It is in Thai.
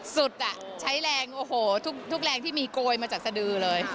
ใช้แรงโอ้โหทุกแรงที่มีโกยมาจากสดือเลย